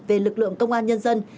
về lực lượng công an nhân dân